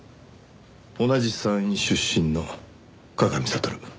同じ産院出身の鏡見悟。